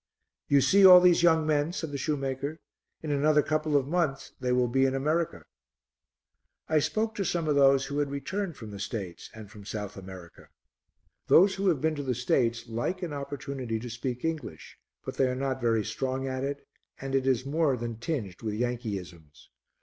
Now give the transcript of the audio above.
"You see all these young men?" said the shoemaker. "In another couple of months they will be in America." I spoke to some of those who had returned from the States and from South America. Those who have been to the States like an opportunity to speak English, but they are not very strong at it, and it is more than tinged with Yankeeisms.